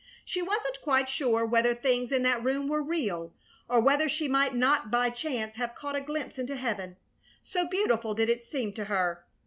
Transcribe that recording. She wasn't quite sure whether things in that room were real, or whether she might not by chance have caught a glimpse into heaven, so beautiful did it seem to her.